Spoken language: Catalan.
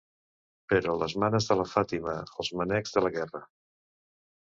Però les manes de la Fàtima als mànecs de la gerra.